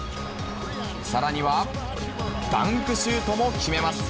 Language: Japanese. さらには、ダンクシュートも決めます。